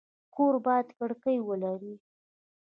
کور باید کړکۍ ولري